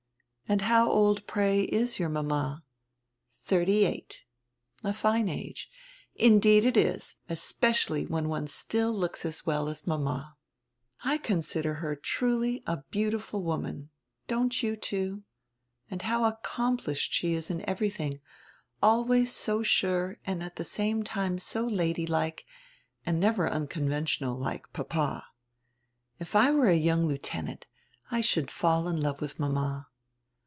"And how old, pray, is your mama?" "Thirty eight." "A fine age." "Indeed it is, especially when one still looks as well as mama. I consider her truly a beautiful woman, don't you, too? And how accomplished she is in everydiing, always so sure and at die same time so ladylike, and never uncon ventional, like papa. If I were a young lieutenant I should fall in love widi mama."